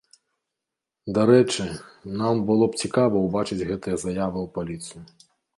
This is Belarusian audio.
Дарэчы, нам было б цікава ўбачыць гэтыя заявы ў паліцыю.